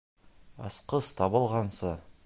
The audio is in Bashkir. Асҡыс табылғанса.